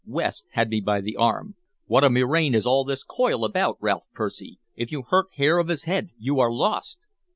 West had me by the arm. "What a murrain is all this coil about, Ralph Percy? If you hurt hair of his head, you are lost!"